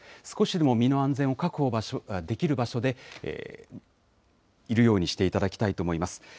少しでも身の安全を確保できる場所で、いるようにしていただきたいと思います。